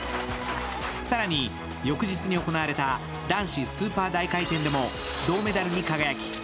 更に翌日に行われた男子スーパー大回転でも銅メダルに輝き